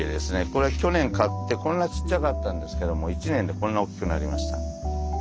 これは去年買ってこんなちっちゃかったんですけども１年でこんな大きくなりました。